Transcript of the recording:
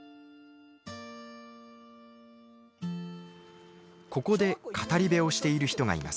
ここで語り部をしている人がいます。